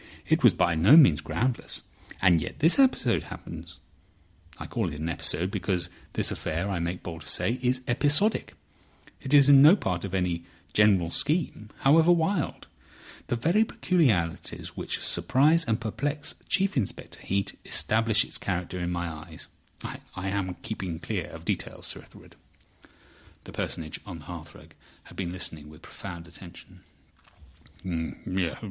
It was by no means groundless—and yet this episode happens. I call it an episode, because this affair, I make bold to say, is episodic; it is no part of any general scheme, however wild. The very peculiarities which surprise and perplex Chief Inspector Heat establish its character in my eyes. I am keeping clear of details, Sir Ethelred." The Personage on the hearthrug had been listening with profound attention.